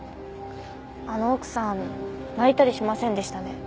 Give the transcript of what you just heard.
あの奥さん泣いたりしませんでしたね。